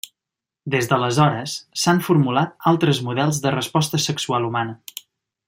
Des d'aleshores, s'han formulat altres models de resposta sexual humana.